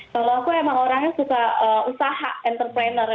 kalau aku emang orangnya suka usaha entrepreneur ya